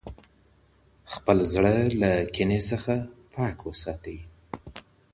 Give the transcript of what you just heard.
خپل زړه له کینې څخه پاک وساتئ.